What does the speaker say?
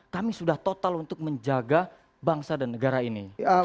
kami sudah total untuk menjaga bangsa dan negara ini